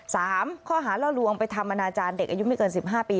สามข้อหาล่อลวงไปทำอนาจารย์เด็กอายุไม่เกินสิบห้าปี